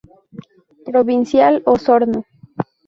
Provincial Osorno.